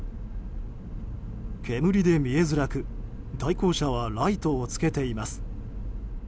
煙で見えづらく対向車はライトをつけています。